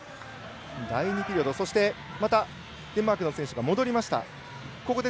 第２ピリオド、そしてデンマークの選手が戻りました。